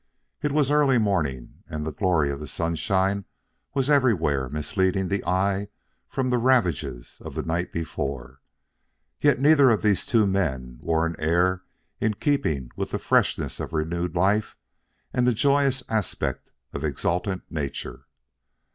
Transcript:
It was early morning, and the glory of sunshine was everywhere misleading the eye from the ravages of the night before; yet neither of these two men wore an air in keeping with the freshness of renewed life and the joyous aspect of exultant nature.